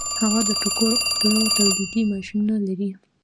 هغه د ټوکر اوبدلو تولیدي ماشینونه لري